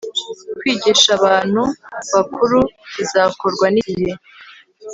kwigisha abantu bakuru kizakorwa n igihe